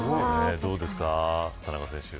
どうですか、田中選手。